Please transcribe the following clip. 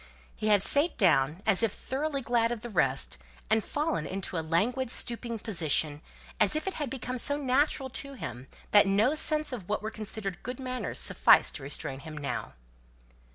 He had sate down, as if thoroughly glad of the rest, and fallen into a languid stooping position, as if it had become so natural to him that no sense of what were considered good manners sufficed to restrain him now.